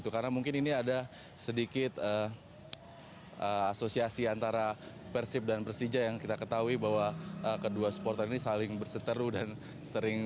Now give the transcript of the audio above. karena mungkin ini ada sedikit asosiasi antara persib dan persija yang kita ketahui bahwa kedua supporter ini saling berseteru dan sering